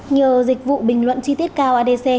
nhờ dịch vụ bình luận chi tiết cao adc